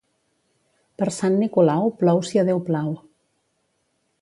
Per Sant Nicolau plou si a Déu plau.